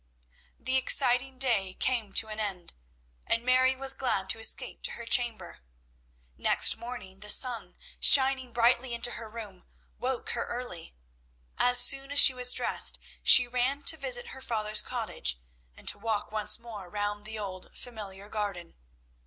The exciting day came to an end, and Mary was glad to escape to her chamber. Next morning, the sun shining brightly into her room woke her early. As soon as she was dressed she ran to visit her father's cottage, and to walk once more round the old familiar garden.